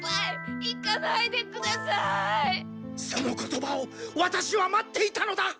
その言葉をワタシは待っていたのだ！